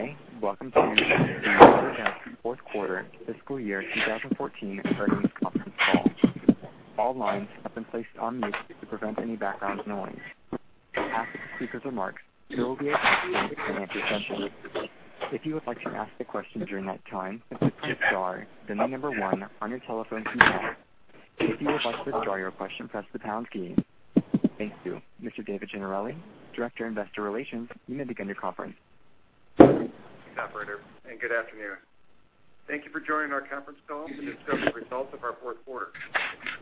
Good day. Welcome to the Autodesk fourth quarter fiscal year 2014 earnings conference call. All lines have been placed on mute to prevent any background noise. After the speaker's remarks, there will be a function to answer questions. If you would like to ask a question during that time, simply press star, then the number one on your telephone keypad. If you would like to withdraw your question, press the pound key. Thank you. Mr. David Gennarelli, Director, Investor Relations, you may begin your conference. Operator, and good afternoon. Thank you for joining our conference call to discuss the results of our fourth quarter.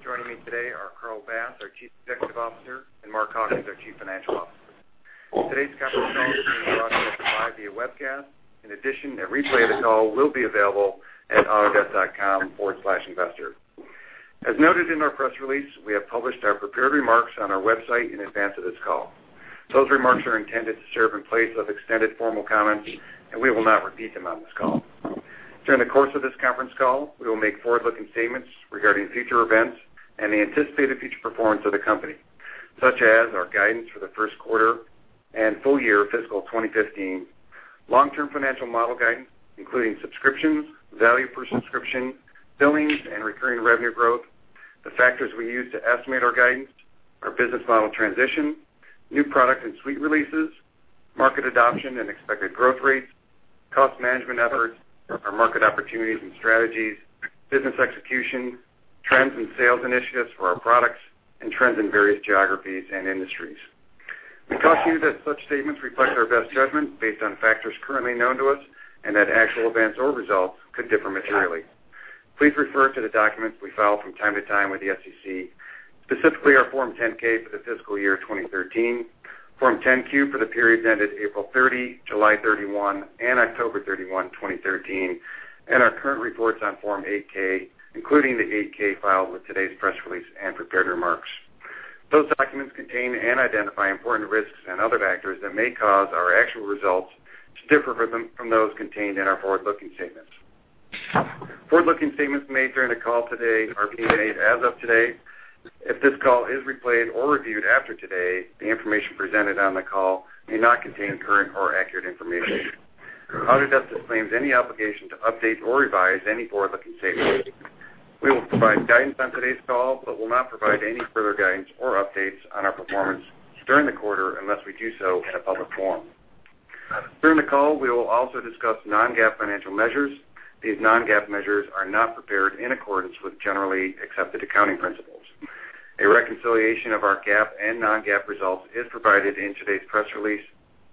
Joining me today are Carl Bass, our Chief Executive Officer, and Mark Hawkins, our Chief Financial Officer. Today's conference call is being broadcast live via webcast. In addition, a replay of the call will be available at autodesk.com/investor. As noted in our press release, we have published our prepared remarks on our website in advance of this call. Those remarks are intended to serve in place of extended formal comments, and we will not repeat them on this call. During the course of this conference call, we will make forward-looking statements regarding future events and the anticipated future performance of the company, such as our guidance for the first quarter and full year fiscal 2015, long-term financial model guidance, including subscriptions, value per subscription, billings, and recurring revenue growth, the factors we use to estimate our guidance, our business model transition, new product and suite releases, market adoption and expected growth rates, cost management efforts, our market opportunities and strategies, business execution, trends and sales initiatives for our products, and trends in various geographies and industries. We caution you that such statements reflect our best judgment based on factors currently known to us, and that actual events or results could differ materially. Please refer to the documents we file from time to time with the SEC, specifically our Form 10-K for the fiscal year 2013, Form 10-Q for the periods ended April 30, July 31, and October 31, 2013, and our current reports on Form 8-K, including the 8-K filed with today's press release and prepared remarks. Those documents contain and identify important risks and other factors that may cause our actual results to differ from those contained in our forward-looking statements. Forward-looking statements made during the call today are being made as of today. If this call is replayed or reviewed after today, the information presented on the call may not contain current or accurate information. Autodesk disclaims any obligation to update or revise any forward-looking statements. We will provide guidance on today's call, but will not provide any further guidance or updates on our performance during the quarter unless we do so in a public forum. During the call, we will also discuss non-GAAP financial measures. These non-GAAP measures are not prepared in accordance with generally accepted accounting principles. A reconciliation of our GAAP and non-GAAP results is provided in today's press release,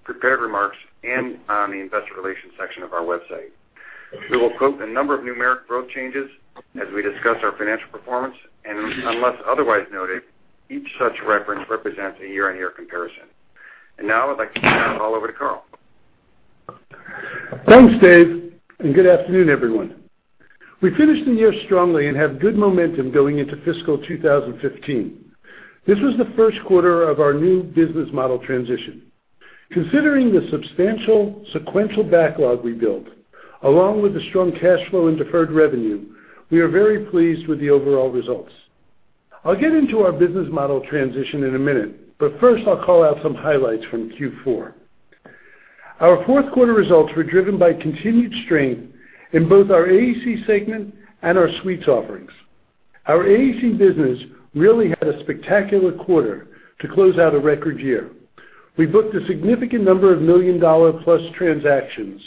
prepared remarks, and on the investor relations section of our website. We will quote a number of numeric growth changes as we discuss our financial performance, and unless otherwise noted, each such reference represents a year-over-year comparison. Now I'd like to turn it all over to Carl. Thanks, Dave, and good afternoon, everyone. We finished the year strongly and have good momentum going into FY 2015. This was the first quarter of our new business model transition. Considering the substantial sequential backlog we built, along with the strong cash flow and deferred revenue, we are very pleased with the overall results. I'll get into our business model transition in a minute, but first I'll call out some highlights from Q4. Our fourth quarter results were driven by continued strength in both our AEC segment and our suites offerings. Our AEC business really had a spectacular quarter to close out a record year. We booked a significant number of million-dollar-plus transactions,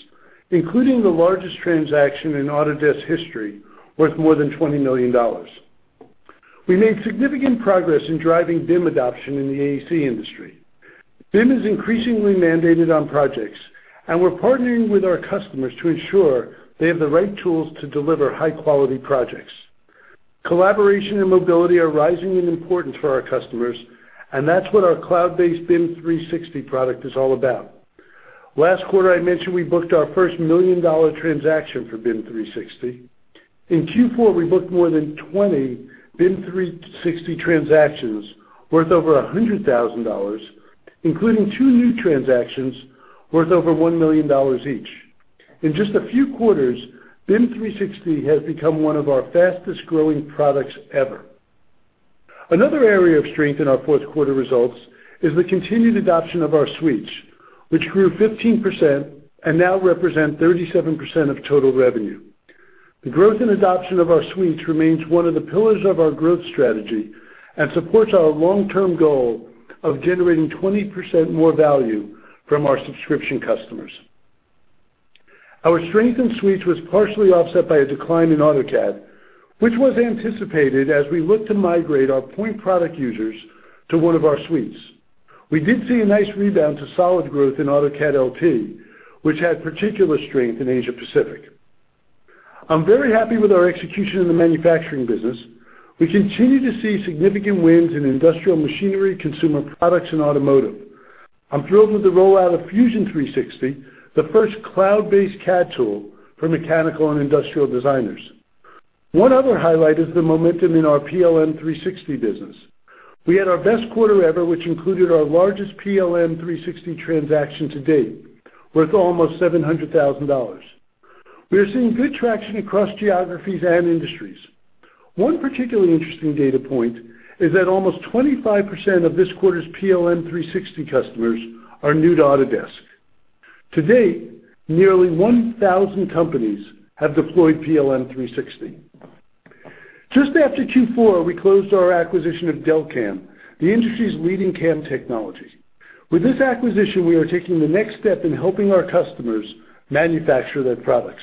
including the largest transaction in Autodesk history, worth more than $20 million. We made significant progress in driving BIM adoption in the AEC industry. BIM is increasingly mandated on projects, and we're partnering with our customers to ensure they have the right tools to deliver high-quality projects. Collaboration and mobility are rising in importance for our customers, and that's what our cloud-based BIM 360 product is all about. Last quarter, I mentioned I booked our first million-dollar transaction for BIM 360. In Q4, we booked more than 20 BIM 360 transactions worth over $100,000, including 2 new transactions worth over $1 million each. In just a few quarters, BIM 360 has become one of our fastest-growing products ever. Another area of strength in our fourth quarter results is the continued adoption of our suites, which grew 15% and now represent 37% of total revenue. The growth and adoption of our suites remains one of the pillars of our growth strategy and supports our long-term goal of generating 20% more value from our subscription customers. Our strength in suites was partially offset by a decline in AutoCAD, which was anticipated as we look to migrate our point product users to one of our suites. We did see a nice rebound to solid growth in AutoCAD LT, which had particular strength in Asia-Pacific. I'm very happy with our execution in the manufacturing business. We continue to see significant wins in industrial machinery, consumer products, and automotive. I'm thrilled with the rollout of Fusion 360, the first cloud-based CAD tool for mechanical and industrial designers. One other highlight is the momentum in our PLM 360 business. We had our best quarter ever, which included our largest PLM 360 transaction to date, worth almost $700,000. We are seeing good traction across geographies and industries. One particularly interesting data point is that almost 25% of this quarter's PLM 360 customers are new to Autodesk. To date, nearly 1,000 companies have deployed PLM 360. Just after Q4, we closed our acquisition of Delcam, the industry's leading CAM technology. With this acquisition, we are taking the next step in helping our customers manufacture their products.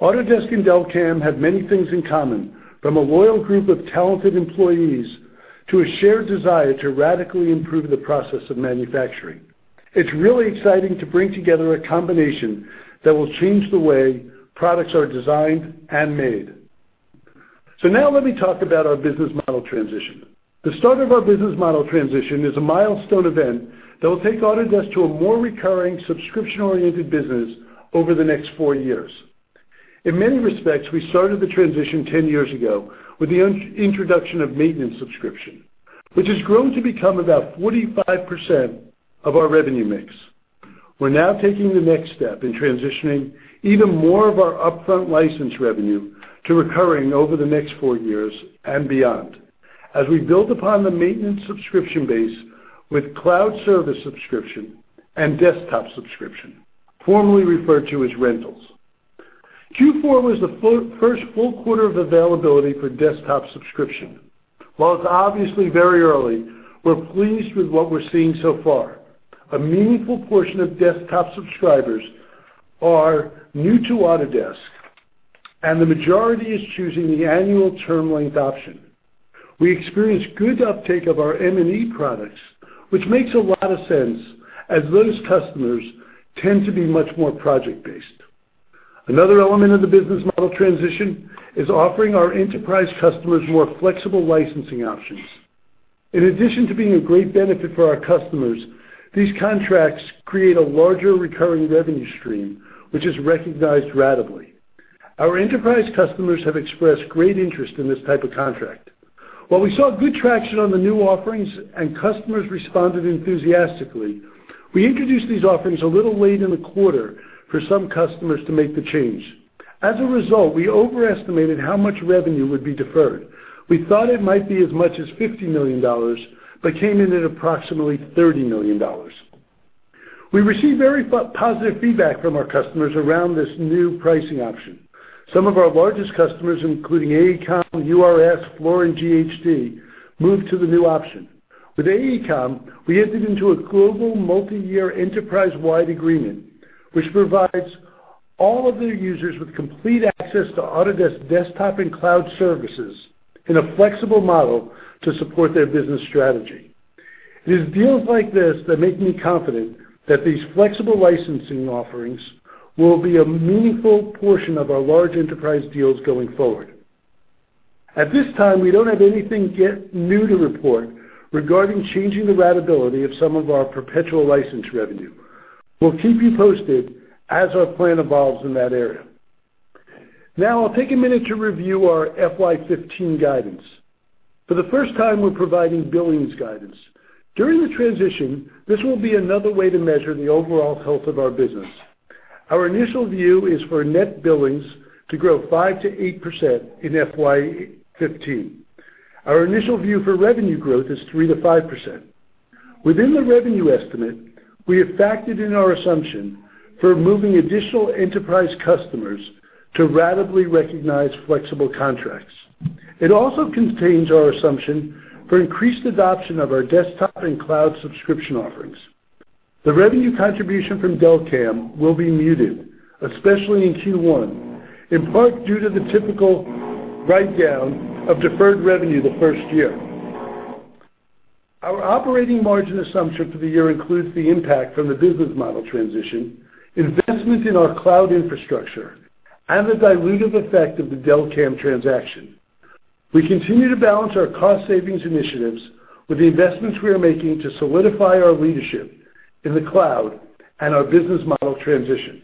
Autodesk and Delcam have many things in common, from a loyal group of talented employees to a shared desire to radically improve the process of manufacturing. It's really exciting to bring together a combination that will change the way products are designed and made. Now let me talk about our business model transition. The start of our business model transition is a milestone event that will take Autodesk to a more recurring subscription-oriented business over the next four years. In many respects, we started the transition 10 years ago with the introduction of maintenance subscription, which has grown to become about 45% of our revenue mix. We're now taking the next step in transitioning even more of our upfront license revenue to recurring over the next four years and beyond as we build upon the maintenance subscription base with cloud service subscription and desktop subscription, formerly referred to as rentals. Q4 was the first full quarter of availability for desktop subscription. While it's obviously very early, we're pleased with what we're seeing so far. A meaningful portion of desktop subscribers are new to Autodesk, and the majority is choosing the annual term length option. We experienced good uptake of our M&E products, which makes a lot of sense as those customers tend to be much more project-based. Another element of the business model transition is offering our enterprise customers more flexible licensing options. In addition to being a great benefit for our customers, these contracts create a larger recurring revenue stream, which is recognized ratably. Our enterprise customers have expressed great interest in this type of contract. While we saw good traction on the new offerings and customers responded enthusiastically, we introduced these offerings a little late in the quarter for some customers to make the change. As a result, we overestimated how much revenue would be deferred. We thought it might be as much as $50 million but came in at approximately $30 million. We received very positive feedback from our customers around this new pricing option. Some of our largest customers, including AECOM, URS, Fluor, and GHD, moved to the new option. With AECOM, we entered into a global multi-year enterprise-wide agreement, which provides all of their users with complete access to Autodesk desktop and cloud services in a flexible model to support their business strategy. It is deals like this that make me confident that these flexible licensing offerings will be a meaningful portion of our large enterprise deals going forward. At this time, we don't have anything yet new to report regarding changing the ratability of some of our perpetual license revenue. We'll keep you posted as our plan evolves in that area. Now I'll take a minute to review our FY 2015 guidance. For the first time, we're providing billings guidance. During the transition, this will be another way to measure the overall health of our business. Our initial view is for net billings to grow 5%-8% in FY 2015. Our initial view for revenue growth is 3%-5%. Within the revenue estimate, we have factored in our assumption for moving additional enterprise customers to ratably recognize flexible contracts. It also contains our assumption for increased adoption of our desktop and cloud subscription offerings. The revenue contribution from Delcam will be muted, especially in Q1, in part due to the typical write-down of deferred revenue the first year. Our operating margin assumption for the year includes the impact from the business model transition, investment in our cloud infrastructure, and the dilutive effect of the Delcam transaction. We continue to balance our cost savings initiatives with the investments we are making to solidify our leadership in the cloud and our business model transition.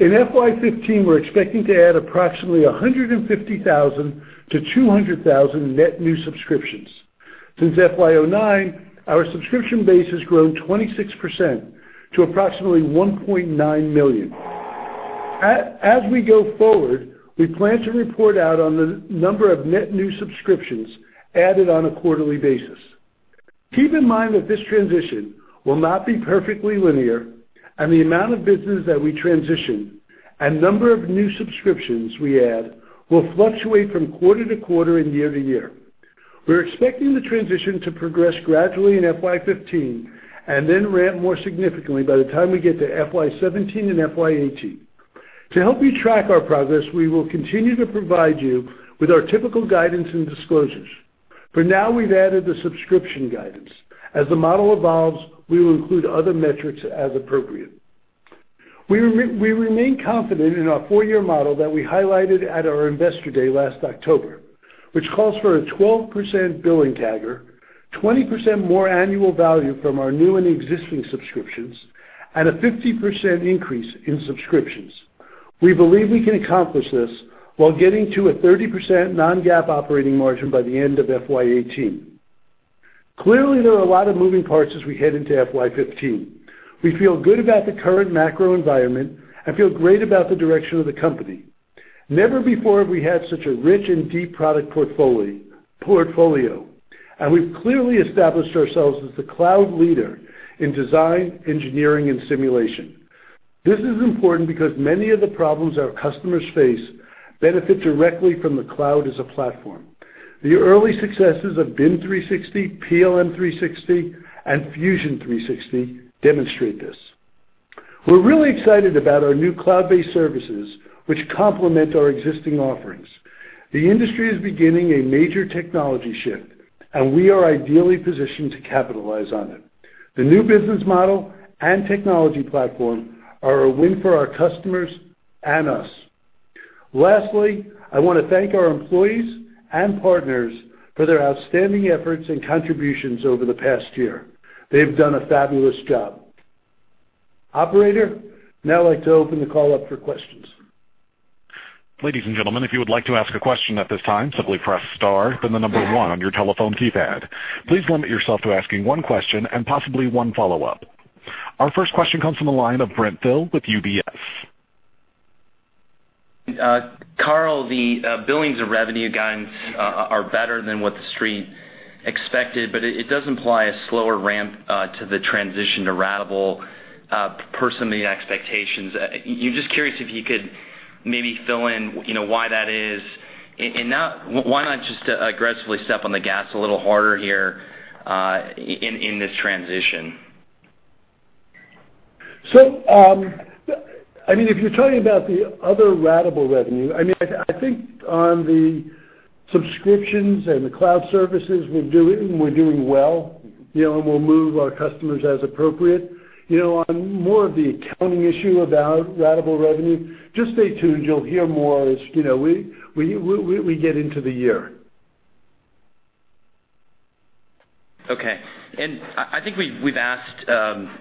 In FY 2015, we're expecting to add approximately 150,000-200,000 net new subscriptions. Since FY 2009, our subscription base has grown 26% to approximately 1.9 million. As we go forward, we plan to report out on the number of net new subscriptions added on a quarterly basis. Keep in mind that this transition will not be perfectly linear, and the amount of business that we transition and number of new subscriptions we add will fluctuate from quarter to quarter and year to year. We're expecting the transition to progress gradually in FY 2015 and then ramp more significantly by the time we get to FY 2017 and FY 2018. To help you track our progress, we will continue to provide you with our typical guidance and disclosures. For now, we've added the subscription guidance. As the model evolves, we will include other metrics as appropriate. We remain confident in our four-year model that we highlighted at our Investor Day last October, which calls for a 12% billing CAGR, 20% more annual value from our new and existing subscriptions, and a 50% increase in subscriptions. We believe we can accomplish this while getting to a 30% non-GAAP operating margin by the end of FY 2018. There are a lot of moving parts as we head into FY 2015. We feel good about the current macro environment and feel great about the direction of the company. Never before have we had such a rich and deep product portfolio, and we've clearly established ourselves as the cloud leader in design, engineering, and simulation. This is important because many of the problems our customers face benefit directly from the cloud as a platform. The early successes of BIM 360, PLM 360, and Fusion 360 demonstrate this. We're really excited about our new cloud-based services, which complement our existing offerings. The industry is beginning a major technology shift, we are ideally positioned to capitalize on it. The new business model and technology platform are a win for our customers and us. Lastly, I want to thank our employees and partners for their outstanding efforts and contributions over the past year. They've done a fabulous job. Operator, now I'd like to open the call up for questions. Ladies and gentlemen, if you would like to ask a question at this time, simply press star, then the number 1 on your telephone keypad. Please limit yourself to asking one question and possibly one follow-up. Our first question comes from the line of Brent Thill with UBS. Carl, the billings of revenue guidance are better than what the Street expected, but it does imply a slower ramp to the transition to ratable personal expectations. Curious if you could maybe fill in why that is, and why not just aggressively step on the gas a little harder here in this transition? If you're talking about the other ratable revenue, I think on the subscriptions and the cloud services, we're doing well. We'll move our customers as appropriate. On more of the accounting issue about ratable revenue, just stay tuned. You'll hear more as we get into the year. Okay. I think we've asked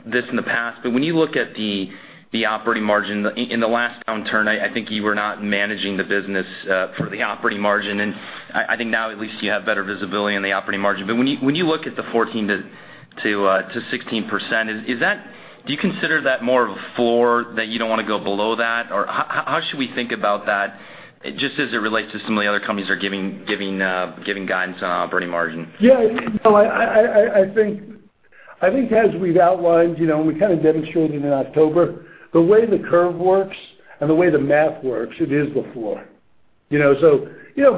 this in the past, when you look at the operating margin in the last downturn, I think you were not managing the business for the operating margin. I think now at least you have better visibility in the operating margin. When you look at the 14%-16%, do you consider that more of a floor that you don't want to go below that? Or how should we think about that? Just as it relates to some of the other companies are giving guidance on operating margin. Yeah. I think as we've outlined, we kind of demonstrated in October, the way the curve works and the way the math works, it is the floor.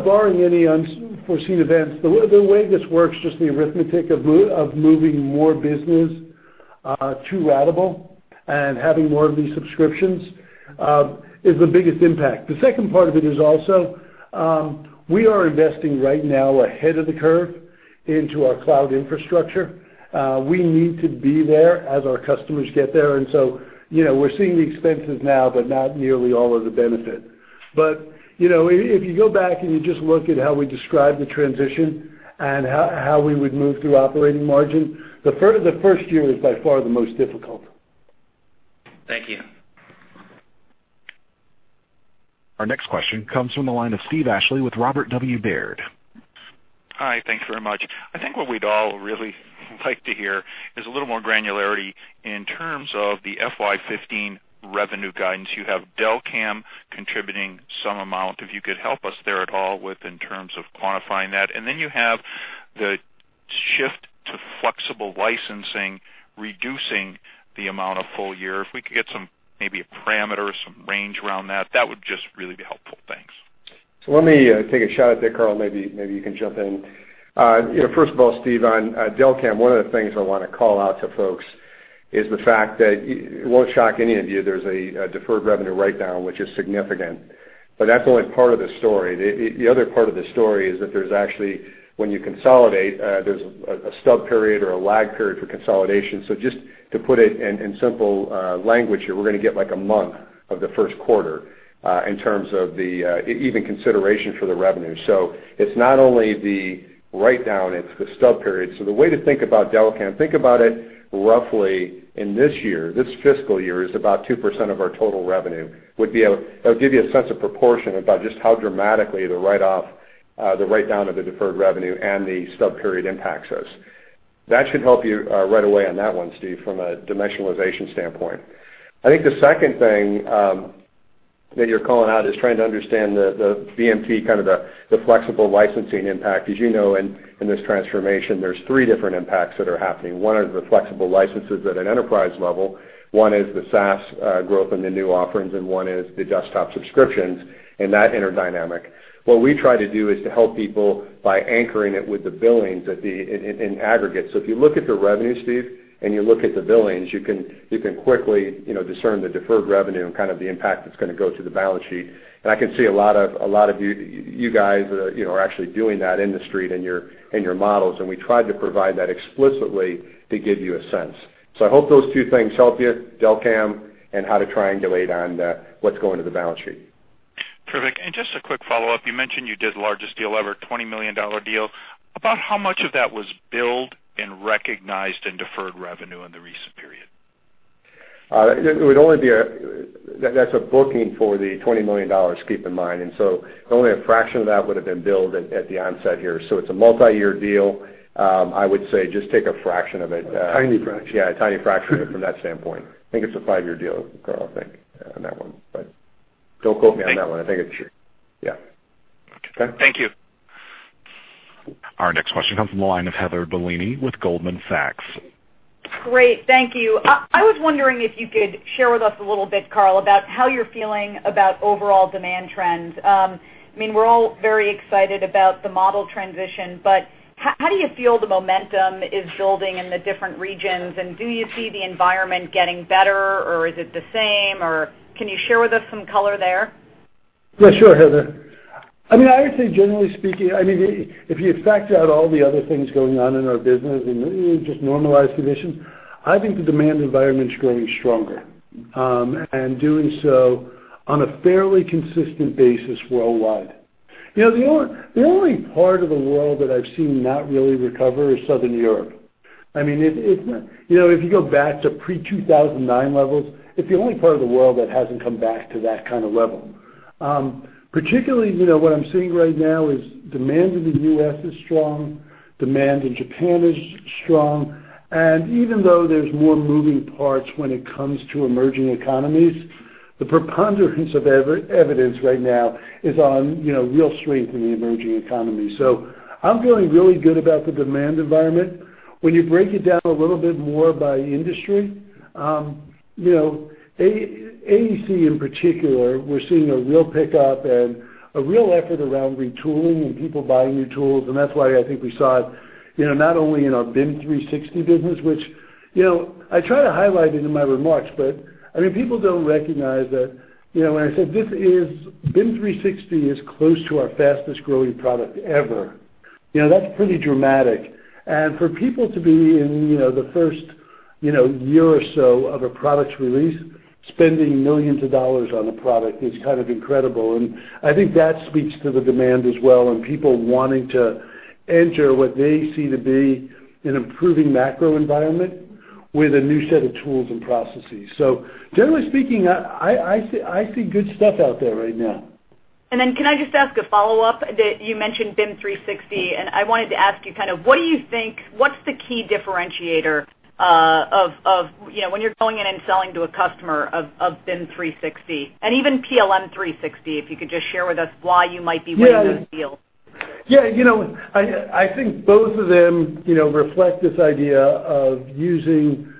Barring any unforeseen events, the way this works, just the arithmetic of moving more business to ratable and having more of these subscriptions, is the biggest impact. The second part of it is also we are investing right now ahead of the curve into our cloud infrastructure. We need to be there as our customers get there. We're seeing the expenses now, but not nearly all of the benefit. If you go back and you just look at how we describe the transition and how we would move through operating margin, the first year is by far the most difficult. Thank you. Our next question comes from the line of Steve Ashley with Robert W. Baird. Hi. Thanks very much. I think what we'd all really like to hear is a little more granularity in terms of the FY 2015 revenue guidance. You have Delcam contributing some amount. If you could help us there at all in terms of quantifying that. You have the shift to flexible licensing, reducing the amount of full year. If we could get maybe a parameter or some range around that would just really be helpful. Thanks. Let me take a shot at that, Carl. Maybe you can jump in. First of all, Steve, on Delcam, one of the things I want to call out to folks is the fact that it won't shock any of you, there's a deferred revenue writedown, which is significant, but that's only part of the story. The other part of the story is that when you consolidate, there's a stub period or a lag period for consolidation. Just to put it in simple language here, we're going to get like a month of the first quarter in terms of even consideration for the revenue. It's not only the writedown, it's the stub period. The way to think about Delcam, think about it roughly in this year, this fiscal year, is about 2% of our total revenue. That would give you a sense of proportion about just how dramatically the write-down of the deferred revenue and the stub period impacts us. That should help you right away on that one, Steve, from a dimensionalization standpoint. I think the second thing that you're calling out is trying to understand the VMP, kind of the flexible licensing impact. As you know, in this transformation, there's three different impacts that are happening. One is the flexible licenses at an enterprise level, one is the SaaS growth in the new offerings, and one is the desktop subscriptions and that interdynamic. What we try to do is to help people by anchoring it with the billings in aggregate. If you look at the revenue, Steve, and you look at the billings, you can quickly discern the deferred revenue and kind of the impact that's going to go to the balance sheet. I can see a lot of you guys are actually doing that in the Street in your models, and we tried to provide that explicitly to give you a sense. I hope those two things help you, Delcam and how to triangulate on what's going to the balance sheet. Terrific. Just a quick follow-up. You mentioned you did the largest deal ever, $20 million deal. About how much of that was billed and recognized in deferred revenue in the recent period? That's a booking for the $20 million, keep in mind. Only a fraction of that would have been billed at the onset here. It's a multi-year deal. I would say just take a fraction of it. A tiny fraction. Yeah, a tiny fraction from that standpoint. I think it's a five-year deal, Carl, I think, on that one. Don't quote me on that one. I think it's true. Yeah. Okay. Okay? Thank you. Our next question comes from the line of Heather Bellini with Goldman Sachs. Great. Thank you. I was wondering if you could share with us a little bit, Carl, about how you're feeling about overall demand trends. We're all very excited about the model transition, but how do you feel the momentum is building in the different regions, and do you see the environment getting better, or is it the same, or can you share with us some color there? Yeah, sure, Heather. I would say generally speaking, if you factor out all the other things going on in our business in just normalized conditions, I think the demand environment is growing stronger, and doing so on a fairly consistent basis worldwide. The only part of the world that I've seen not really recover is Southern Europe. If you go back to pre-2009 levels, it's the only part of the world that hasn't come back to that kind of level. Particularly, what I'm seeing right now is demand in the U.S. is strong, demand in Japan is strong, and even though there's more moving parts when it comes to emerging economies, the preponderance of evidence right now is on real strength in the emerging economies. I'm feeling really good about the demand environment. When you break it down a little bit more by industry, AEC in particular, we're seeing a real pickup and a real effort around retooling and people buying new tools, and that's why I think we saw it, not only in our BIM 360 business. Which, I try to highlight it in my remarks, but people don't recognize that when I said BIM 360 is close to our fastest-growing product ever. That's pretty dramatic. For people to be in the first year or so of a product release, spending millions of dollars on a product is kind of incredible, and I think that speaks to the demand as well, and people wanting to enter what they see to be an improving macro environment with a new set of tools and processes. Generally speaking, I see good stuff out there right now. Can I just ask a follow-up? You mentioned BIM 360, and I wanted to ask you, what's the key differentiator of when you're going in and selling to a customer of BIM 360 and even PLM 360? If you could just share with us why you might be winning those deals. Yeah. I think both of them reflect this idea of using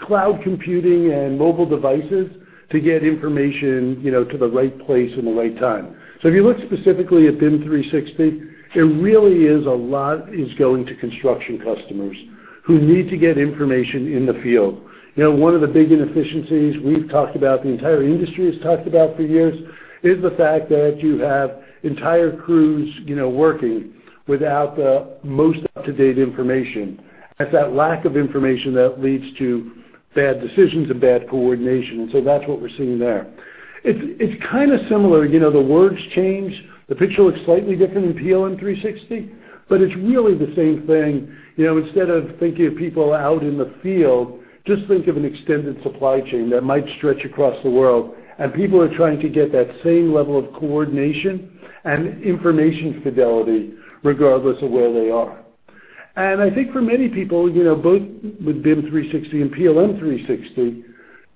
cloud computing and mobile devices to get information to the right place and the right time. If you look specifically at BIM 360, it really is a lot is going to construction customers who need to get information in the field. One of the big inefficiencies we've talked about, the entire industry has talked about for years, is the fact that you have entire crews working without the most up-to-date information. It's that lack of information that leads to bad decisions and bad coordination. That's what we're seeing there. It's kind of similar. The words change. The picture looks slightly different in PLM 360, but it's really the same thing. Instead of thinking of people out in the field, just think of an extended supply chain that might stretch across the world, and people are trying to get that same level of coordination and information fidelity regardless of where they are. I think for many people, both with BIM 360 and PLM 360,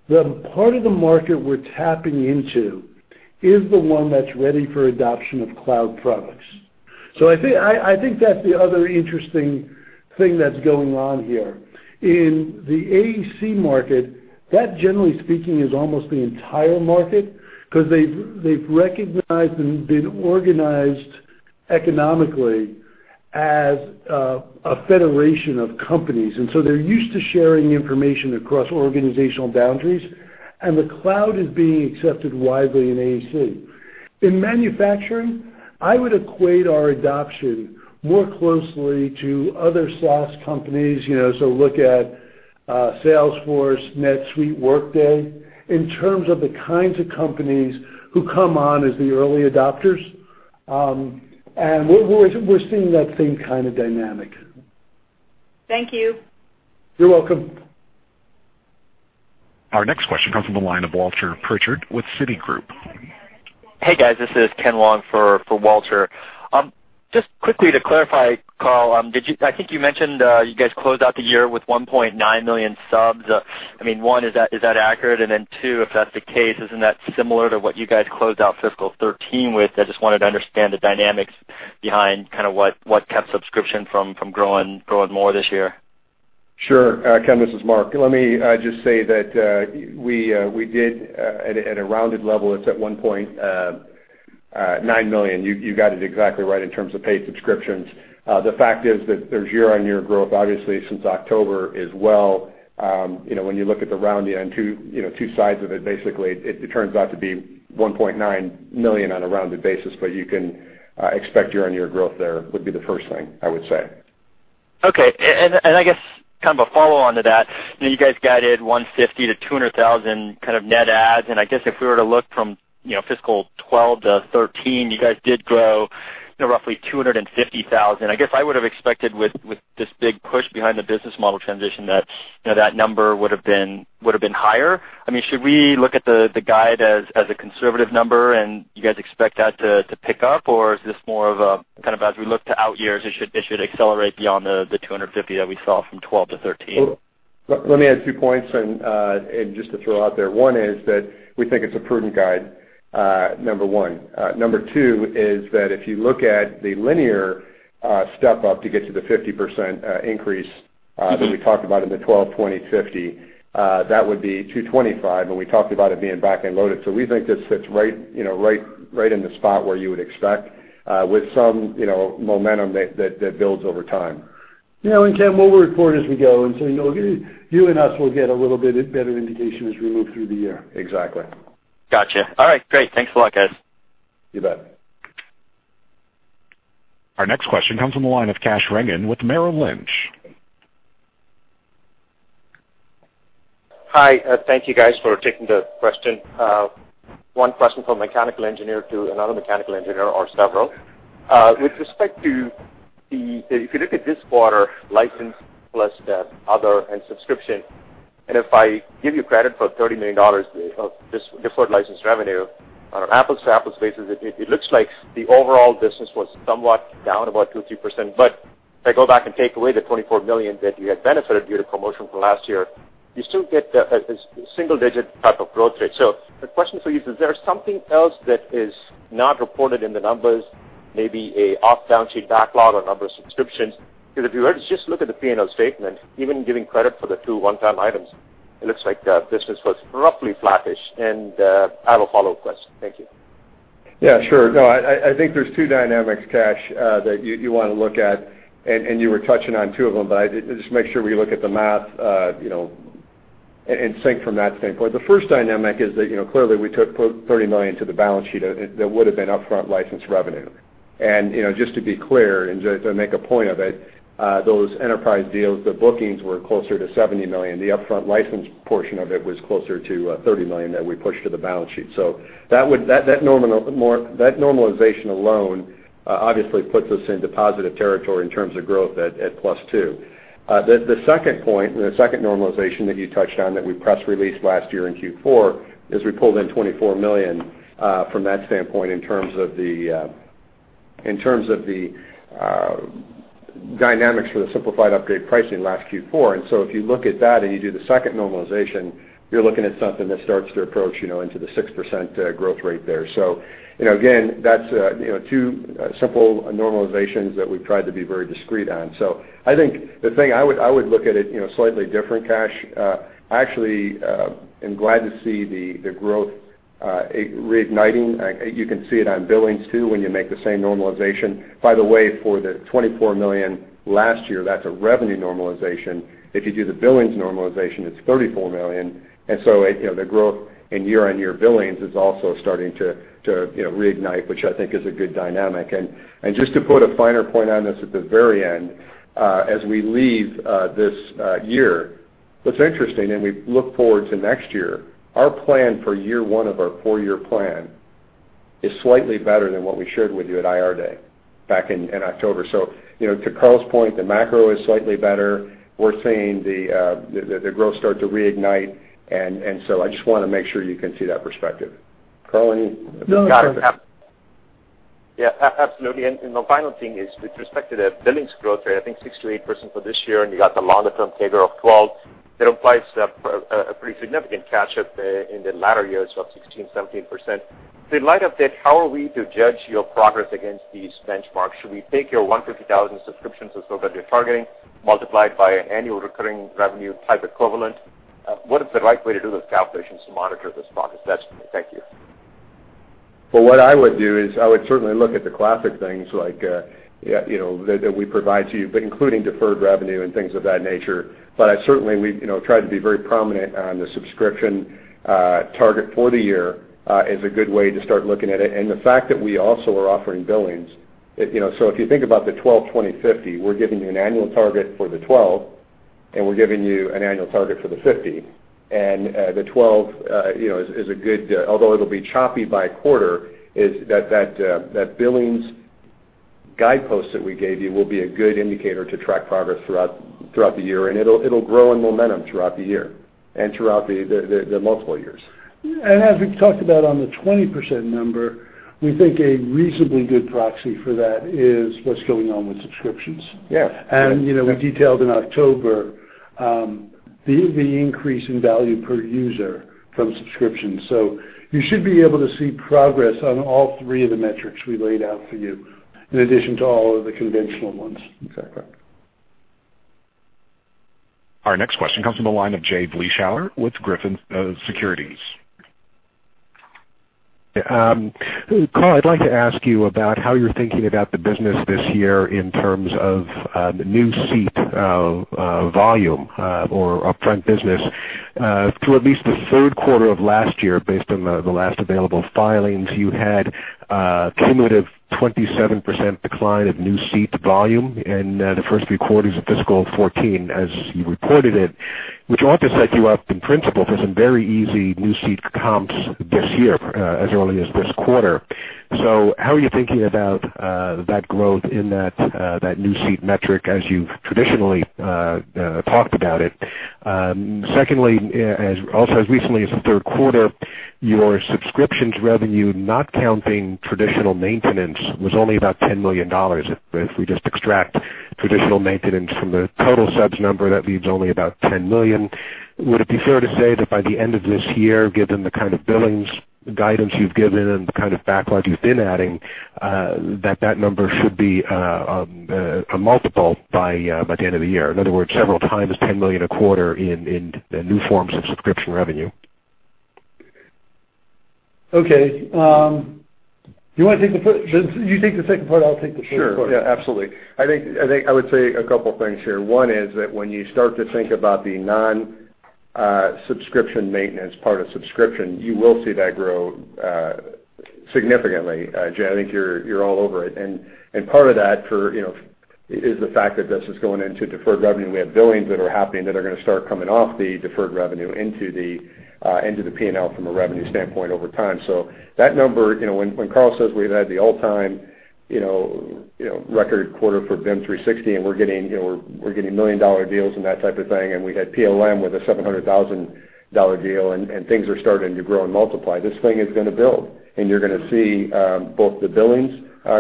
the part of the market we're tapping into is the one that's ready for adoption of cloud products. I think that's the other interesting thing that's going on here. In the AEC market, that generally speaking is almost the entire market because they've recognized and been organized economically as a federation of companies, and so they're used to sharing information across organizational boundaries, and the cloud is being accepted widely in AEC. In manufacturing, I would equate our adoption more closely to other SaaS companies. Look at Salesforce, NetSuite, Workday, in terms of the kinds of companies who come on as the early adopters, and we're seeing that same kind of dynamic. Thank you. You're welcome. Our next question comes from the line of Walter Pritchard with Citigroup. Hey, guys. This is Ken Wong for Walter. Quickly to clarify, Carl, I think you mentioned you guys closed out the year with 1.9 million subs. 1, is that accurate? 2, if that's the case, isn't that similar to what you guys closed out fiscal 2013 with? I just wanted to understand the dynamics behind what kept subscription from growing more this year. Sure. Ken, this is Mark. Let me just say that we did, at a rounded level, it's at $1.9 million. You got it exactly right in terms of paid subscriptions. The fact is that there's year-on-year growth, obviously, since October as well. When you look at the rounding on two sides of it, basically it turns out to be $1.9 million on a rounded basis, but you can expect year-on-year growth there would be the first thing I would say. Okay. I guess kind of a follow-on to that, you guys guided 150,000-200,000 net adds. I guess if we were to look from FY 2012 to FY 2013, you guys did grow roughly 250,000. I guess I would have expected with this big push behind the business model transition that number would have been higher. Should we look at the guide as a conservative number, and you guys expect that to pick up? Is this more of a kind of as we look to out years, it should accelerate beyond the 250 that we saw from FY 2012 to FY 2013? Let me add two points, and just to throw out there. One is that we think it's a prudent guide, number one. Number two is that if you look at the linear step up to get to the 50% increase that we talked about in the 12, 20, 50, that would be 225, and we talked about it being back-end loaded. We think this sits right in the spot where you would expect with some momentum that builds over time. Yeah, Ken, we'll report as we go. You and us will get a little bit better indication as we move through the year. Exactly. Got you. All right, great. Thanks a lot, guys. You bet. Our next question comes from the line of Kash Rangan with Merrill Lynch. Hi, thank you guys for taking the question. One question from a mechanical engineer to another mechanical engineer, or several. With respect to the, if you look at this quarter, license plus the other and subscription, and if I give you credit for $30 million of this deferred license revenue on an apples-to-apples basis, it looks like the overall business was somewhat down about 2%-3%. If I go back and take away the $24 million that you had benefited due to promotion from last year, you still get a single-digit type of growth rate. The question for you is there something else that is not reported in the numbers? Maybe a off-balance-sheet backlog on number of subscriptions? If you were to just look at the P&L statement, even giving credit for the two one-time items, it looks like the business was roughly flattish. I have a follow-up question. Thank you. Yeah, sure. No, I think there's two dynamics, Kash, that you want to look at, and you were touching on two of them, but just make sure we look at the math, and think from that standpoint. The first dynamic is that clearly we took $30 million to the balance sheet that would have been upfront licensed revenue. Just to be clear and to make a point of it, those enterprise deals, the bookings were closer to $70 million. The upfront license portion of it was closer to $30 million that we pushed to the balance sheet. That normalization alone obviously puts us into positive territory in terms of growth at plus 2. The second point, the second normalization that you touched on that we press released last year in Q4, is we pulled in $24 million from that standpoint in terms of the dynamics for the simplified upgrade pricing last Q4. If you look at that and you do the second normalization, you're looking at something that starts to approach into the 6% growth rate there. Again, that's two simple normalizations that we've tried to be very discrete on. I think the thing, I would look at it slightly different, Kash. I actually am glad to see the growth reigniting. You can see it on billings too, when you make the same normalization. By the way, for the $24 million last year, that's a revenue normalization. If you do the billings normalization, it's $34 million. The growth in year-on-year billings is also starting to reignite, which I think is a good dynamic. Just to put a finer point on this at the very end, as we leave this year, what's interesting, and we look forward to next year, our plan for year one of our four-year plan is slightly better than what we shared with you at Investor Day back in October. To Carl's point, the macro is slightly better. We're seeing the growth start to reignite, and so I just want to make sure you can see that perspective. Carl, any- No, I'm done. Yeah, absolutely. The final thing is with respect to the billings growth rate, I think 6%-8% for this year, and you got the longer term figure of 12%, that implies a pretty significant catch-up in the latter years of 16%, 17%. In light of that, how are we to judge your progress against these benchmarks? Should we take your 150,000 subscriptions or so that you're targeting, multiplied by an annual recurring revenue type equivalent? What is the right way to do those calculations to monitor this progress? That's for me. Thank you. Well, what I would do is I would certainly look at the classic things that we provide to you, including deferred revenue and things of that nature. Certainly, we try to be very prominent on the subscription target for the year is a good way to start looking at it. The fact that we also are offering billings. If you think about the 12, 20, 50, we're giving you an annual target for the 12, and we're giving you an annual target for the 50. The 12 is a good, although it'll be choppy by quarter, is that billings guideposts that we gave you will be a good indicator to track progress throughout the year, and it'll grow in momentum throughout the year and throughout the multiple years. As we've talked about on the 20% number, we think a reasonably good proxy for that is what's going on with subscriptions. Yes. We detailed in October the increase in value per user from subscriptions. You should be able to see progress on all three of the metrics we laid out for you, in addition to all of the conventional ones. Exactly. Our next question comes from the line of Jay Vleeschhouwer with Griffin Securities. Carl, I'd like to ask you about how you're thinking about the business this year in terms of new seat volume or upfront business. Through at least the third quarter of last year, based on the last available filings, you had a cumulative 27% decline of new seat volume in the first three quarters of fiscal 2014, as you reported it. That ought to set you up in principle for some very easy new seat comps this year, as early as this quarter. Secondly, also as recently as the third quarter, your subscriptions revenue, not counting traditional maintenance, was only about $10 million. If we just extract traditional maintenance from the total subs number, that leaves only about $10 million. Would it be fair to say that by the end of this year, given the kind of billings guidance you've given and the kind of backlog you've been adding, that number should be a multiple by the end of the year? In other words, several times $10 million a quarter in new forms of subscription revenue. Okay. You want to take the second part, I'll take the first part. Sure, yeah, absolutely. I think I would say a couple things here. One is that when you start to think about the non-subscription maintenance part of subscription, you will see that grow significantly. Jay, I think you're all over it. Part of that is the fact that this is going into deferred revenue. We have billings that are happening that are going to start coming off the deferred revenue into the P&L from a revenue standpoint over time. That number, when Carl says we've had the all-time record quarter for BIM 360, and we're getting million-dollar deals and that type of thing, and we had PLM with a $700,000 deal, things are starting to grow and multiply, this thing is going to build. You're going to see both the billings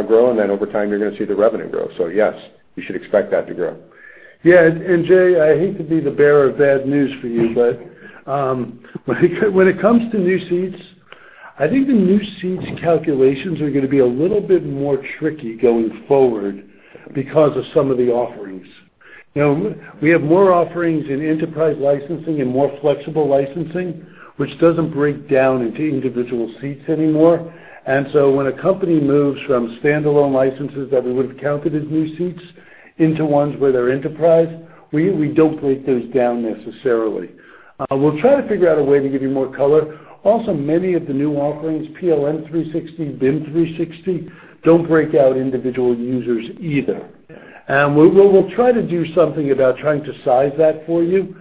grow, and then over time, you're going to see the revenue grow. Yes, you should expect that to grow. Yeah. Jay, I hate to be the bearer of bad news for you, but when it comes to new seats, I think the new seats calculations are going to be a little bit more tricky going forward because of some of the offerings. We have more offerings in enterprise licensing and more flexible licensing, which doesn't break down into individual seats anymore. When a company moves from standalone licenses that we would've counted as new seats into ones where they're enterprise, we don't break those down necessarily. We'll try to figure out a way to give you more color. Also, many of the new offerings, PLM 360, BIM 360, don't break out individual users either. We'll try to do something about trying to size that for you.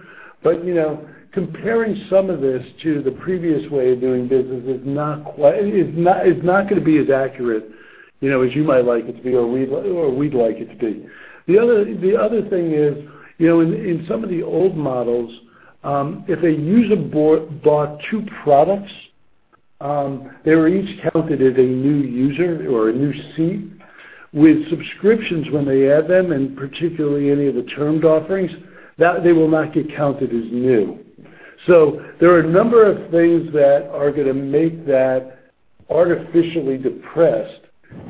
Comparing some of this to the previous way of doing business is not going to be as accurate, as you might like it to be or we'd like it to be. The other thing is, in some of the old models, if a user bought two products, they were each counted as a new user or a new seat. With subscriptions when they add them, and particularly any of the termed offerings, they will not get counted as new. There are a number of things that are going to make that artificially depressed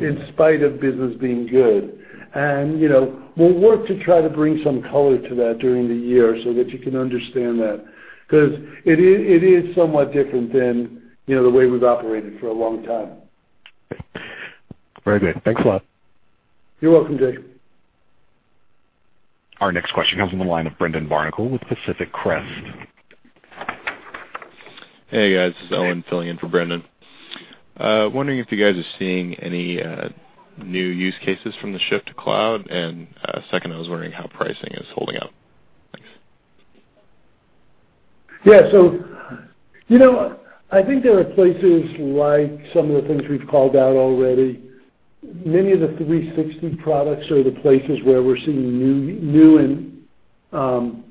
in spite of business being good. We'll work to try to bring some color to that during the year so that you can understand that. It is somewhat different than the way we've operated for a long time. Very good. Thanks a lot. You're welcome, Jay. Our next question comes from the line of Brendan Barnicle with Pacific Crest. Hey, guys. This is Owen filling in for Brendan. Wondering if you guys are seeing any new use cases from the shift to cloud. Second, I was wondering how pricing is holding up. Thanks. Yeah. I think there are places like some of the things we've called out already. Many of the 360 products are the places where we're seeing new and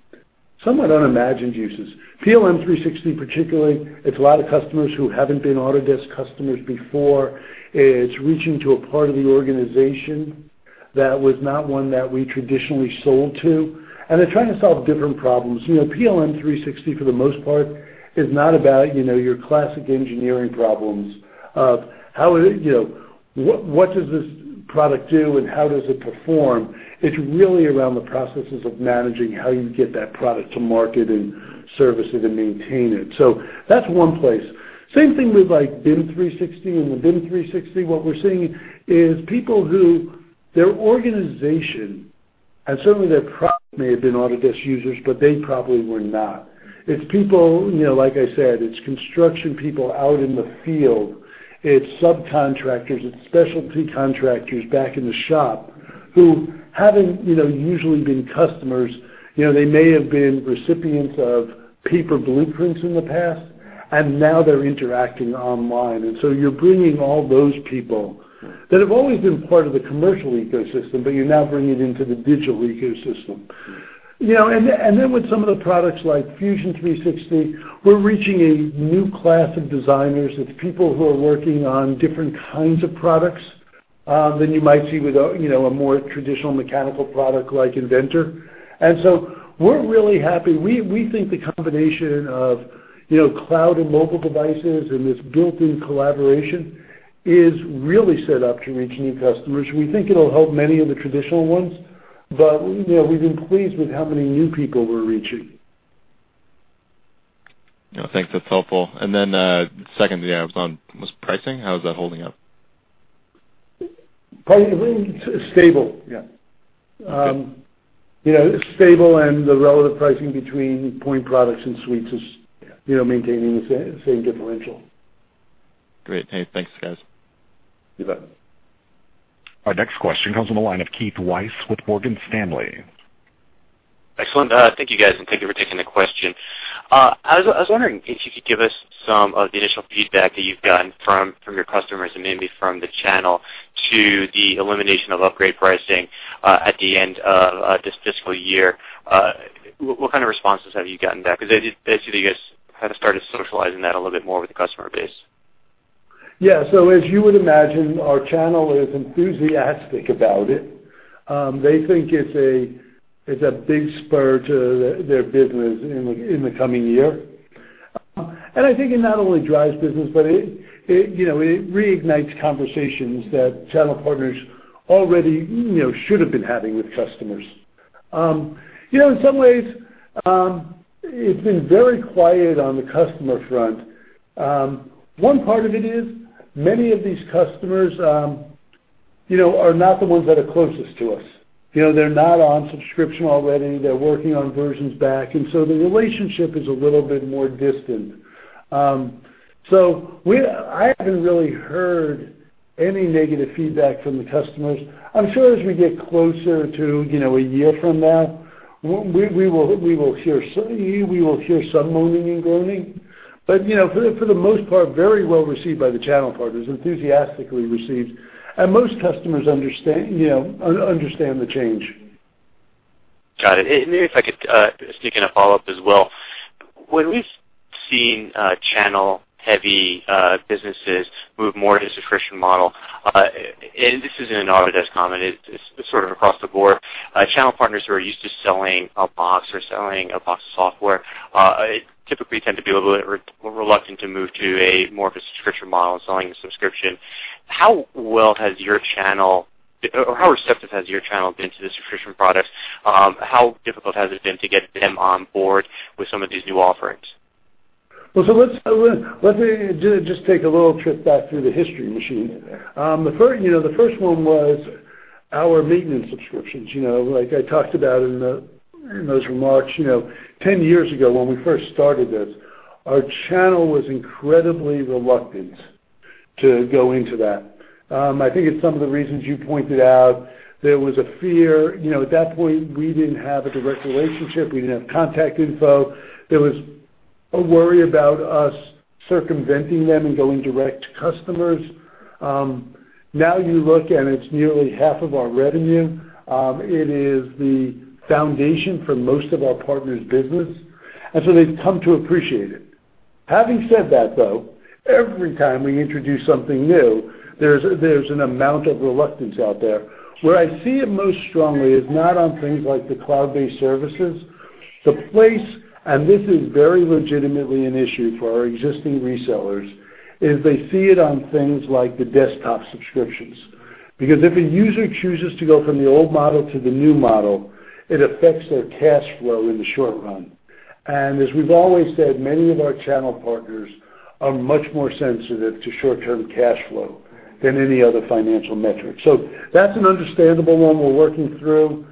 somewhat unimagined uses. PLM 360 particularly, it's a lot of customers who haven't been Autodesk customers before. It's reaching to a part of the organization that was not one that we traditionally sold to, and they're trying to solve different problems. PLM 360, for the most part, is not about your classic engineering problems of what does this product do and how does it perform. It's really around the processes of managing how you get that product to market and service it and maintain it. That's one place. Same thing with BIM 360. In the BIM 360, what we're seeing is people who their organization, and certainly their product may have been Autodesk users, but they probably were not. It's people, like I said, it's construction people out in the field. It's subcontractors, it's specialty contractors back in the shop who haven't usually been customers. They may have been recipients of paper blueprints in the past, and now they're interacting online. You're bringing all those people that have always been part of the commercial ecosystem, but you're now bringing it into the digital ecosystem. With some of the products like Fusion 360, we're reaching a new class of designers. It's people who are working on different kinds of products than you might see with a more traditional mechanical product like Inventor. We're really happy. We think the combination of cloud and mobile devices and this built-in collaboration is really set up to reach new customers. We think it'll help many of the traditional ones, we've been pleased with how many new people we're reaching. Yeah, thanks. That's helpful. Then, second, yeah, was pricing? How is that holding up? Stable. Yeah. Stable. The relative pricing between point products and suites is maintaining the same differential. Great. Hey, thanks, guys. You bet. Our next question comes from the line of Keith Weiss with Morgan Stanley. Excellent. Thank you guys, and thank you for taking the question. I was wondering if you could give us some of the initial feedback that you've gotten from your customers and maybe from the channel to the elimination of upgrade pricing at the end of this fiscal year. What kind of responses have you gotten back? I assume you guys kind of started socializing that a little bit more with the customer base. Yeah. As you would imagine, our channel is enthusiastic about it. They think it's a big spur to their business in the coming year. I think it not only drives business, but it reignites conversations that channel partners already should have been having with customers. In some ways, it's been very quiet on the customer front. One part of it is many of these customers are not the ones that are closest to us. They're not on subscription already. They're working on versions back, and so the relationship is a little bit more distant. I haven't really heard any negative feedback from the customers. I'm sure as we get closer to a year from now, we will hear some moaning and groaning. For the most part, very well received by the channel partners, enthusiastically received. Most customers understand the change. Got it. Maybe if I could, stick in a follow-up as well. When we've seen channel-heavy businesses move more to a subscription model, and this isn't an Autodesk comment, it's sort of across the board. Channel partners who are used to selling a box or selling a box of software, typically tend to be a little bit reluctant to move to more of a subscription model and selling a subscription. How well has your channel, or how receptive has your channel been to the subscription products? How difficult has it been to get them on board with some of these new offerings? Let me just take a little trip back through the history machine. The first one was our maintenance subscriptions. Like I talked about in those remarks, 10 years ago, when we first started this, our channel was incredibly reluctant to go into that. I think it's some of the reasons you pointed out. There was a fear. At that point, we didn't have a direct relationship. We didn't have contact info. There was a worry about us circumventing them and going direct to customers. Now you look, it's nearly half of our revenue. It is the foundation for most of our partners' business, they've come to appreciate it. Having said that, though, every time we introduce something new, there's an amount of reluctance out there. Where I see it most strongly is not on things like the cloud-based services. The place, this is very legitimately an issue for our existing resellers, is they see it on things like the desktop subscriptions. If a user chooses to go from the old model to the new model, it affects their cash flow in the short run. As we've always said, many of our channel partners are much more sensitive to short-term cash flow than any other financial metric. That's an understandable one we're working through.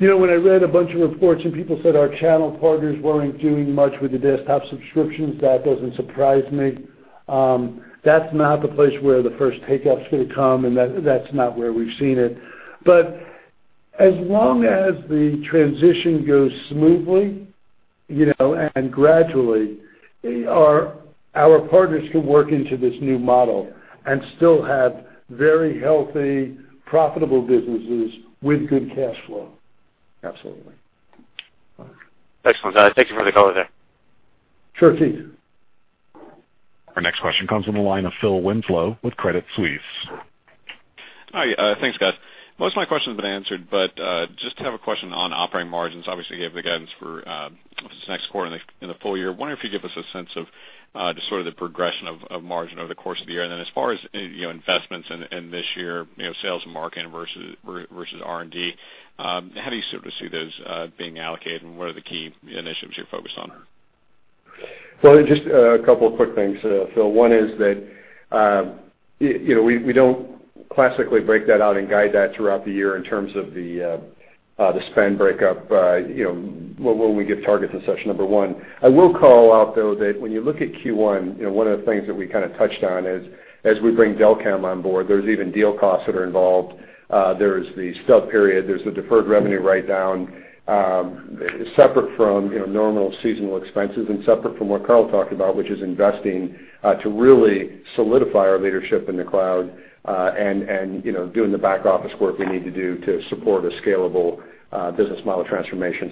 When I read a bunch of reports and people said our channel partners weren't doing much with the desktop subscriptions, that doesn't surprise me. That's not the place where the first take-up's gonna come, and that's not where we've seen it. As long as the transition goes smoothly, and gradually, our partners can work into this new model and still have very healthy, profitable businesses with good cash flow. Absolutely. Excellent. Thank you for the color there. Sure thing. Our next question comes from the line of Phil Winslow with Credit Suisse. Hi. Thanks, guys. Most of my question's been answered, just have a question on operating margins. Obviously, you gave the guidance for this next quarter and the full year. Wondering if you could give us a sense of just sort of the progression of margin over the course of the year. As far as investments in this year, sales and marketing versus R&D, how do you sort of see those being allocated, and what are the key initiatives you're focused on there? Just a couple of quick things, Phil. One is that we don't classically break that out and guide that throughout the year in terms of the spend breakup, when we give targets in session number one. I will call out, though, that when you look at Q1, one of the things that we kind of touched on is, as we bring Delcam on board, there's even deal costs that are involved. There's the stub period, there's the deferred revenue write-down, separate from normal seasonal expenses and separate from what Carl talked about, which is investing to really solidify our leadership in the cloud, and doing the back-office work we need to do to support a scalable business model transformation.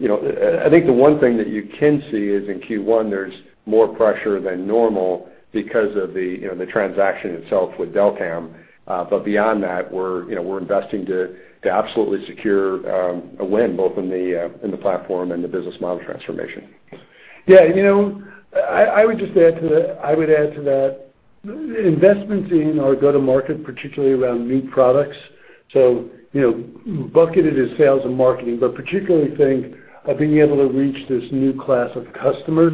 I think the one thing that you can see is in Q1, there's more pressure than normal because of the transaction itself with Delcam. Beyond that, we're investing to absolutely secure a win, both in the platform and the business model transformation. Yeah. I would just add to that investments in our go-to-market, particularly around new products. Bucketed as sales and marketing, but particularly think of being able to reach this new class of customers.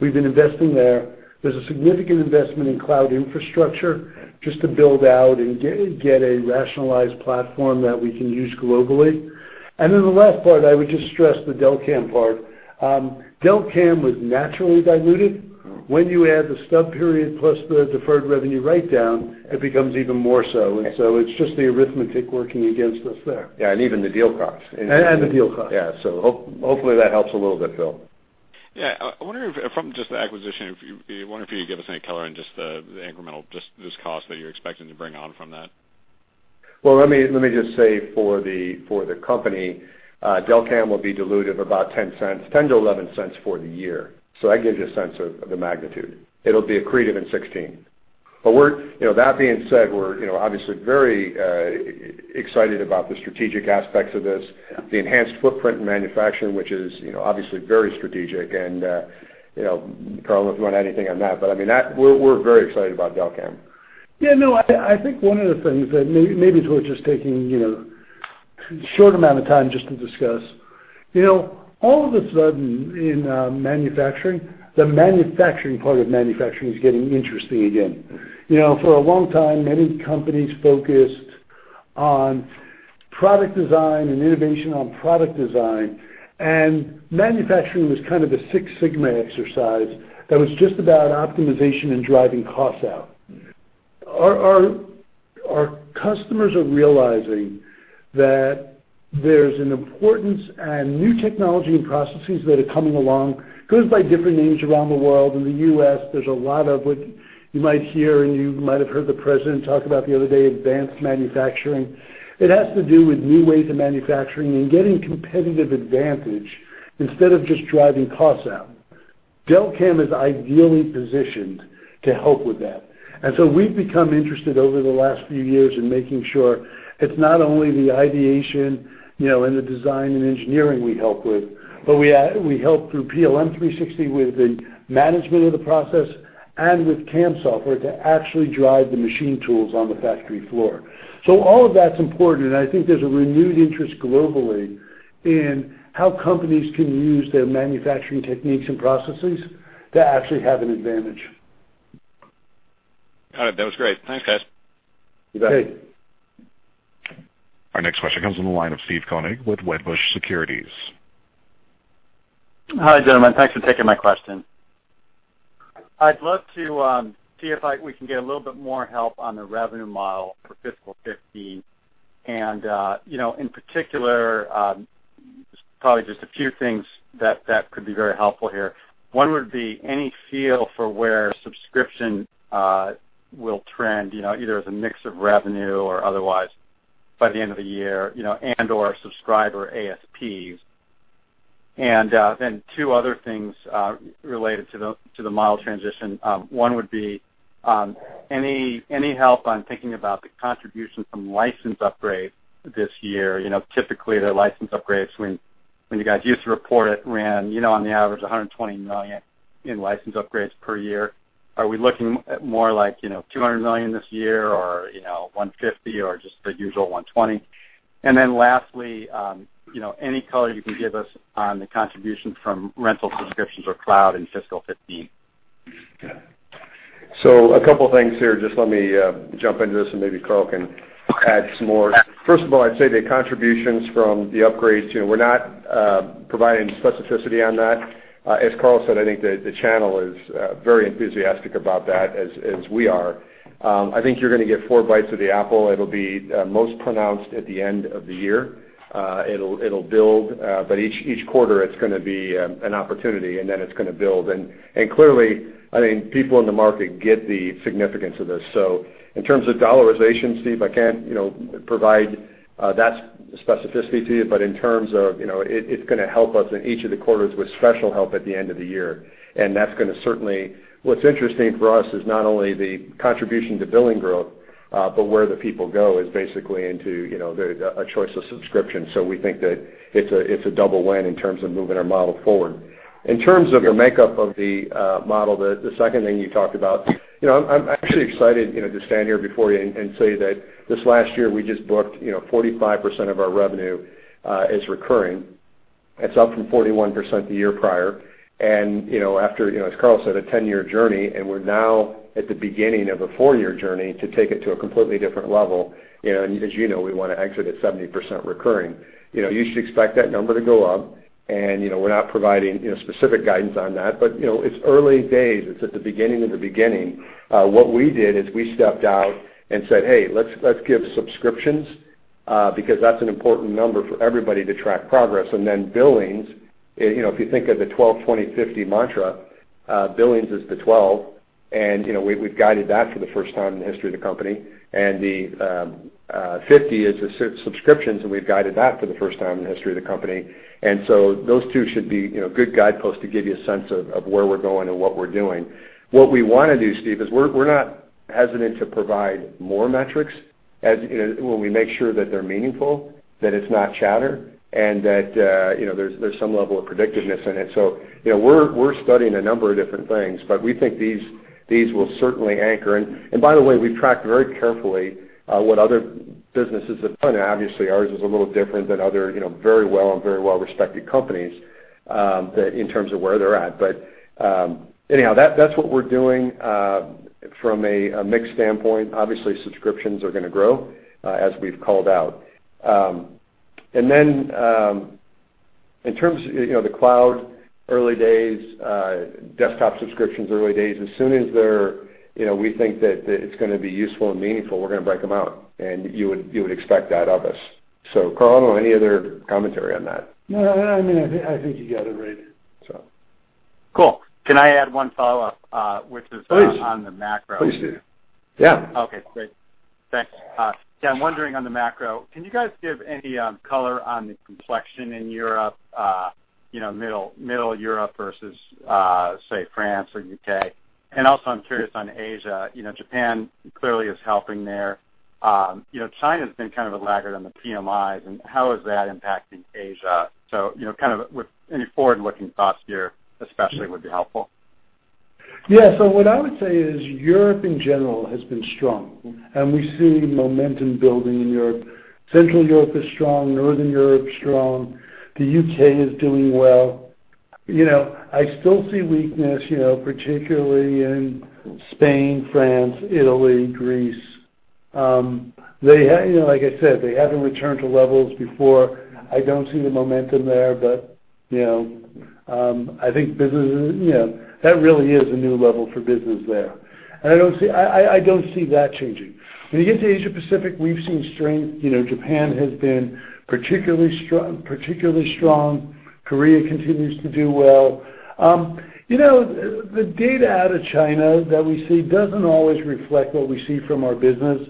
We've been investing there. There's a significant investment in cloud infrastructure just to build out and get a rationalized platform that we can use globally. The last part, I would just stress the Delcam part. Delcam was naturally diluted. When you add the stub period plus the deferred revenue write-down, it becomes even more so. It's just the arithmetic working against us there. Yeah, even the deal costs. The deal costs. Yeah. Hopefully that helps a little bit, Phil. Yeah. I wonder if, from just the acquisition, I wonder if you could give us any color on just the incremental, just this cost that you're expecting to bring on from that. Well, let me just say for the company, Delcam will be dilutive, about $0.10 to $0.11 for the year. That gives you a sense of the magnitude. It'll be accretive in 2016. That being said, we're obviously very excited about the strategic aspects of this, the enhanced footprint in manufacturing, which is obviously very strategic. Carl, if you want to add anything on that, but I mean, we're very excited about Delcam. Yeah, no, I think one of the things that maybe it's worth just taking a short amount of time just to discuss. All of a sudden in manufacturing, the manufacturing part of manufacturing is getting interesting again. For a long time, many companies focused on product design and innovation on product design, and manufacturing was kind of the Six Sigma exercise that was just about optimization and driving costs out. Our customers are realizing that there's an importance and new technology and processes that are coming along. Goes by different names around the world. In the U.S., there's a lot of what you might hear, and you might have heard the president talk about the other day, advanced manufacturing. It has to do with new ways of manufacturing and getting competitive advantage instead of just driving costs out. Delcam is ideally positioned to help with that. We've become interested over the last few years in making sure it's not only the ideation, and the design, and engineering we help with, but we help through PLM 360 with the management of the process and with CAM software to actually drive the machine tools on the factory floor. All of that's important, and I think there's a renewed interest globally in how companies can use their manufacturing techniques and processes to actually have an advantage. Got it. That was great. Thanks, guys. You bet. Great. Our next question comes from the line of Steve Koenig with Wedbush Securities. Hi, gentlemen. Thanks for taking my question. I'd love to see if we can get a little bit more help on the revenue model for fiscal 2015. In particular, probably just a few things that could be very helpful here. One would be any feel for where subscription will trend, either as a mix of revenue or otherwise by the end of the year, and/or subscriber ASPs. Two other things related to the model transition. One would be any help on thinking about the contribution from license upgrade this year? Typically, the license upgrades, when you guys used to report it, ran on the average $120 million in license upgrades per year. Are we looking at more like $200 million this year, or $150 or just the usual $120? Lastly, any color you can give us on the contributions from rental subscriptions or cloud in FY 2015? A couple of things here. Let me jump into this, and maybe Carl can add some more. First of all, I'd say the contributions from the upgrades, we're not providing specificity on that. As Carl said, I think the channel is very enthusiastic about that as we are. I think you're going to get four bites of the apple. It'll be most pronounced at the end of the year. It'll build, but each quarter it's going to be an opportunity, and then it's going to build. Clearly, I think people in the market get the significance of this. In terms of dollarization, Steve, I can't provide that specificity to you. But in terms of, it's going to help us in each of the quarters with special help at the end of the year. That's going to certainly What's interesting for us is not only the contribution to billing growth, but where the people go is basically into a choice of subscription. We think that it's a double win in terms of moving our model forward. In terms of the makeup of the model, the second thing you talked about, I'm actually excited to stand here before you and say that this last year we just booked, 45% of our revenue is recurring. It's up from 41% the year prior. After, as Carl said, a 10-year journey, and we're now at the beginning of a four-year journey to take it to a completely different level. As you know, we want to exit at 70% recurring. You should expect that number to go up, and we're not providing specific guidance on that. But it's early days. It's at the beginning of the beginning. What we did is we stepped out and said, "Hey, let's give subscriptions," because that's an important number for everybody to track progress. Billings, if you think of the 12/20/50 mantra, billings is the 12, and we've guided that for the first time in the history of the company. The 50 is the subscriptions, and we've guided that for the first time in the history of the company. Those two should be good guideposts to give you a sense of where we're going and what we're doing. What we want to do, Steve, is we're not hesitant to provide more metrics when we make sure that they're meaningful, that it's not chatter, and that there's some level of predictiveness in it. We're studying a number of different things, but we think these will certainly anchor. By the way, we've tracked very carefully what other businesses have done, and obviously, ours is a little different than other very well and very well-respected companies in terms of where they're at. Anyhow, that's what we're doing from a mix standpoint. Obviously, subscriptions are going to grow as we've called out. In terms of the cloud early days, desktop subscriptions early days, as soon as we think that it's going to be useful and meaningful, we're going to break them out, and you would expect that of us. Carl, any other commentary on that? No, I think you got it right. So. Cool. Can I add one follow-up? Please Is it on the macro? Please do. Yeah. Okay, great. Thanks. Yeah, I'm wondering on the macro, can you guys give any color on the complexion in Europe, middle Europe versus, say, France or U.K.? Also, I'm curious on Asia. Japan clearly is helping there. China's been kind of a laggard on the PMIs, and how is that impacting Asia? Kind of with any forward-looking thoughts here especially would be helpful. Yeah. What I would say is Europe in general has been strong, and we see momentum building in Europe. Central Europe is strong, Northern Europe's strong. The U.K. is doing well. I still see weakness, particularly in Spain, France, Italy, Greece. Like I said, they haven't returned to levels before. I don't see the momentum there, but I think that really is a new level for business there. I don't see that changing. When you get to Asia-Pacific, we've seen strength. Japan has been particularly strong. Korea continues to do well. The data out of China that we see doesn't always reflect what we see from our business.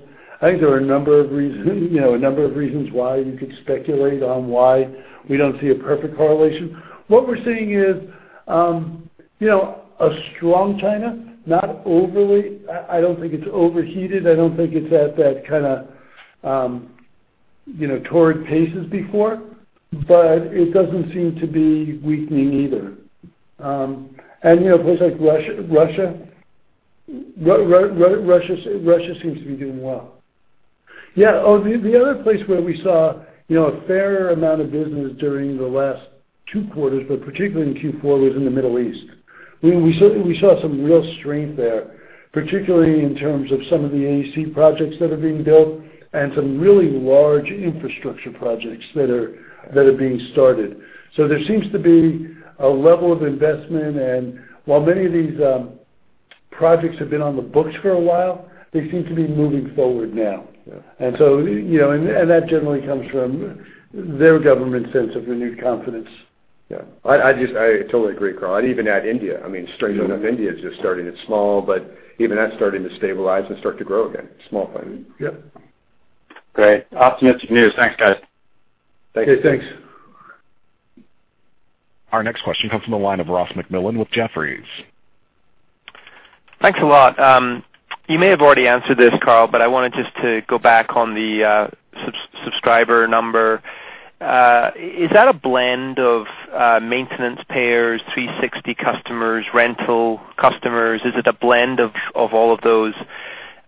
I think there are a number of reasons why you could speculate on why we don't see a perfect correlation. What we're seeing is a strong China. I don't think it's overheated. I don't think it's at that kind of torrid pace as before, but it doesn't seem to be weakening either. Places like Russia seems to be doing well. Yeah. Oh, the other place where we saw a fair amount of business during the last two quarters, but particularly in Q4, was in the Middle East. We saw some real strength there, particularly in terms of some of the AEC projects that are being built and some really large infrastructure projects that are being started. There seems to be a level of investment, and while many of these projects have been on the books for a while, they seem to be moving forward now. Yeah. That generally comes from their government sense of renewed confidence. Yeah. I totally agree, Carl. I'd even add India. I mean, strangely enough, India is just starting. It's small, but even that's starting to stabilize and start to grow again. Yep. Great. Optimistic news. Thanks, guys. Thank you. Okay, thanks. Our next question comes from the line of Ross MacMillan with Jefferies. Thanks a lot. You may have already answered this, Carl, but I wanted just to go back on the subscriber number. Is that a blend of maintenance payers, 360 customers, rental customers? Is it a blend of all of those?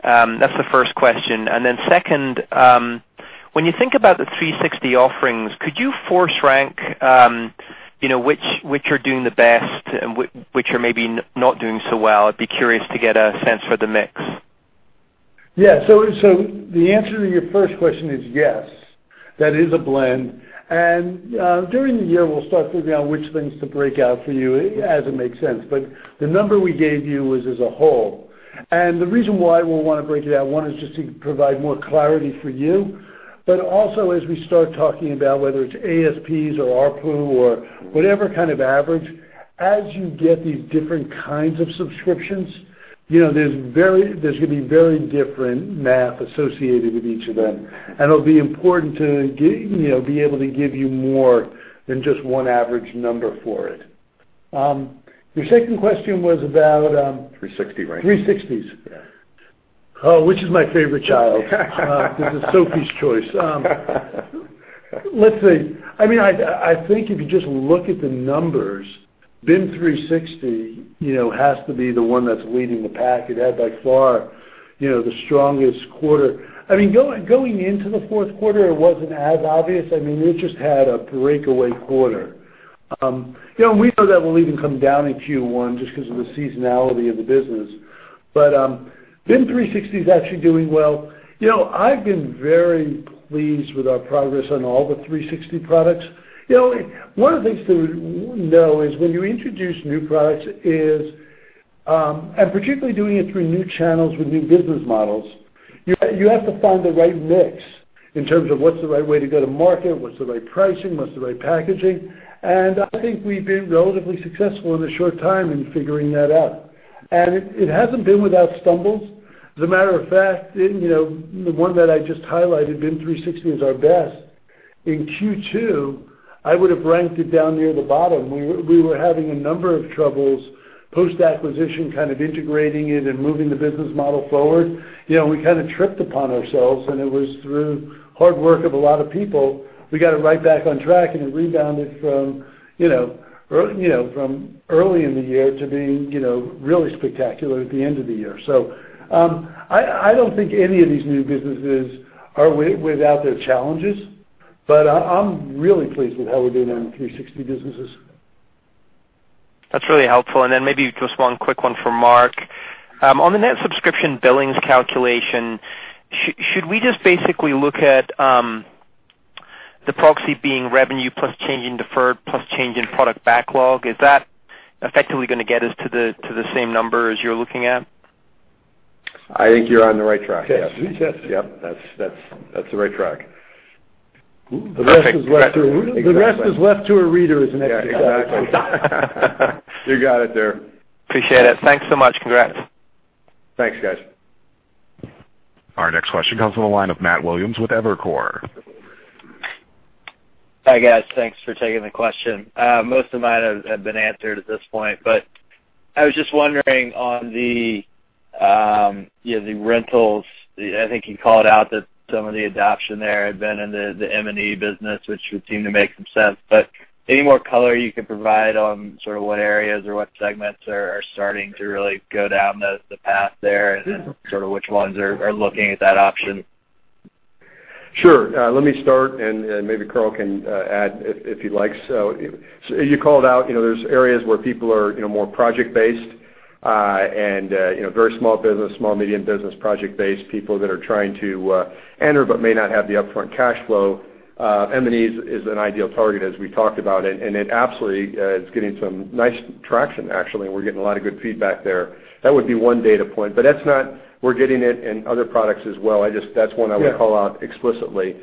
That's the first question. Second, when you think about the 360 offerings, could you force rank which are doing the best and which are maybe not doing so well? I'd be curious to get a sense for the mix. Yeah. The answer to your first question is yes. That is a blend, and during the year, we'll start figuring out which things to break out for you as it makes sense. The number we gave you was as a whole. The reason why we'll want to break it out, one, is just to provide more clarity for you. Also, as we start talking about whether it's ASPs or ARPU or whatever kind of average, as you get these different kinds of subscriptions, there's going to be very different math associated with each of them. It'll be important to be able to give you more than just one average number for it. Your second question was about- 360, right? 360s. Yeah. which is my favorite child. This is Sophie's Choice. Let's see. I think if you just look at the numbers, BIM 360 has to be the one that's leading the pack. It had by far the strongest quarter. Going into the fourth quarter, it wasn't as obvious. It just had a breakaway quarter. We know that will even come down in Q1 just because of the seasonality of the business. BIM 360 is actually doing well. I've been very pleased with our progress on all the 360 products. One of the things to know is when you introduce new products, particularly doing it through new channels with new business models, you have to find the right mix in terms of what's the right way to go to market, what's the right pricing, what's the right packaging. I think we've been relatively successful in a short time in figuring that out. It hasn't been without stumbles. As a matter of fact, the one that I just highlighted, BIM 360, is our best. In Q2, I would have ranked it down near the bottom. We were having a number of troubles post-acquisition, kind of integrating it and moving the business model forward. We kind of tripped upon ourselves. It was through hard work of a lot of people, we got it right back on track. It rebounded from early in the year to being really spectacular at the end of the year. I don't think any of these new businesses are without their challenges, but I'm really pleased with how we're doing on 360 businesses. That's really helpful. Maybe just one quick one for Mark. On the net subscription billings calculation, should we just basically look at the proxy being revenue plus change in deferred plus change in product backlog? Is that effectively going to get us to the same number as you're looking at? I think you're on the right track, yes. Yes. Yep. That's the right track. The rest is left to- Perfect. Exactly. The rest is left to our readers and Yeah, exactly. You got it there. Appreciate it. Thanks so much. Congrats. Thanks, guys. Our next question comes from the line of Matt Williams with Evercore. Hi, guys. Thanks for taking the question. Most of mine have been answered at this point, but I was just wondering on the rentals, I think you called out that some of the adoption there had been in the M&E business, which would seem to make some sense. Any more color you could provide on sort of what areas or what segments are starting to really go down the path there and then sort of which ones are looking at that option? Sure. Let me start, maybe Carl can add if he likes. You called out, there's areas where people are more project-based, very small business, small-medium business, project-based people that are trying to enter but may not have the upfront cash flow. M&E is an ideal target, as we talked about, it absolutely is getting some nice traction, actually, and we're getting a lot of good feedback there. That would be one data point, but we're getting it in other products as well. Yeah I would call out explicitly.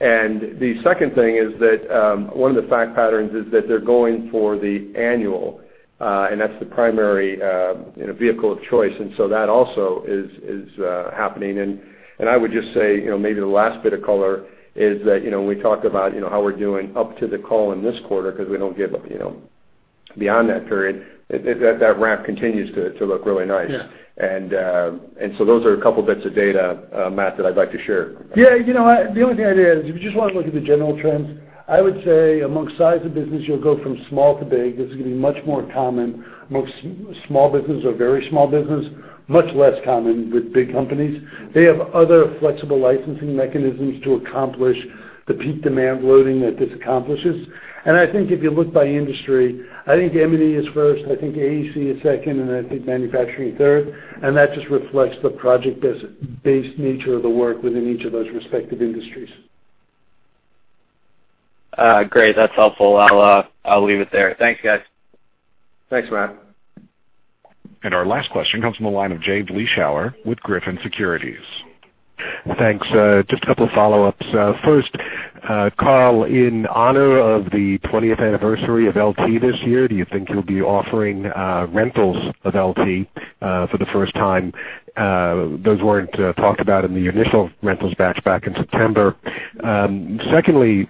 The second thing is that, one of the fact patterns is that they're going for the annual, that's the primary vehicle of choice. That also is happening. I would just say, maybe the last bit of color is that, we talk about how we're doing up to the call in this quarter because we don't give beyond that period, that ramp continues to look really nice. Yeah. Those are a couple bits of data, Matt, that I'd like to share. Yeah. The only thing I'd add is, if you just want to look at the general trends, I would say amongst size of business, you'll go from small to big. This is going to be much more common amongst small business or very small business, much less common with big companies. They have other flexible licensing mechanisms to accomplish the peak demand loading that this accomplishes. I think if you look by industry, I think M&E is first, I think AEC is second, then I think manufacturing third, and that just reflects the project-based nature of the work within each of those respective industries. Great. That's helpful. I'll leave it there. Thanks, guys. Thanks, Matt. Our last question comes from the line of Jay Vleeschhouwer with Griffin Securities. Thanks. Just a couple of follow-ups. First, Carl, in honor of the 20th anniversary of LT this year, do you think you'll be offering rentals of LT for the first time? Those weren't talked about in the initial rentals batch back in September. Secondly,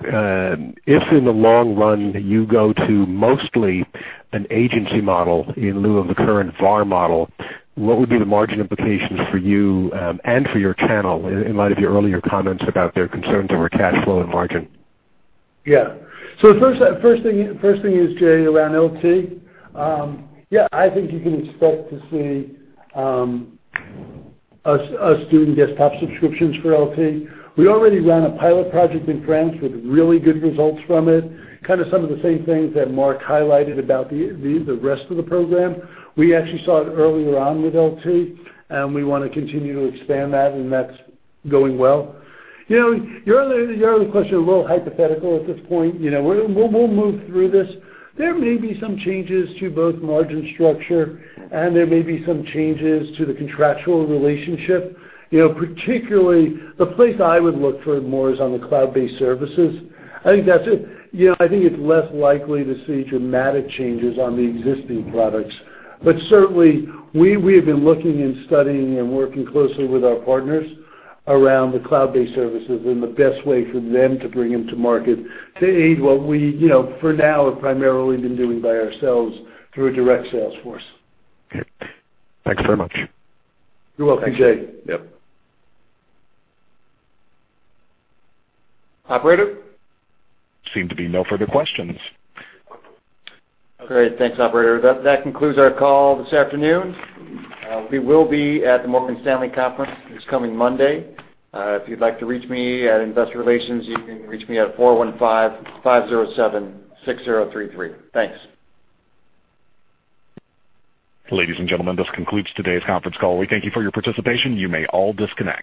if in the long run you go to mostly an agency model in lieu of the current VAR model, what would be the margin implications for you and for your channel in light of your earlier comments about their concerns over cash flow and margin? Yeah. First thing is, Jay, around LT. Yeah, I think you can expect to see us doing desktop subscriptions for LT. We already ran a pilot project in France with really good results from it. Kind of some of the same things that Mark highlighted about the rest of the program. We actually saw it earlier on with LT, and we want to continue to expand that, and that's going well. Your other question, a little hypothetical at this point. We'll move through this. There may be some changes to both margin structure and there may be some changes to the contractual relationship. Particularly, the place I would look for it more is on the cloud-based services. I think it's less likely to see dramatic changes on the existing products. Certainly, we have been looking and studying and working closely with our partners around the cloud-based services and the best way for them to bring them to market to aid what we, for now, have primarily been doing by ourselves through a direct sales force. Okay. Thanks very much. You're welcome, Jay. Yep. Operator? Seem to be no further questions. Great. Thanks, Operator. That concludes our call this afternoon. We will be at the Morgan Stanley conference this coming Monday. If you'd like to reach me at Investor Relations, you can reach me at four one five five zero seven six zero three three. Thanks. Ladies and gentlemen, this concludes today's conference call. We thank you for your participation. You may all disconnect.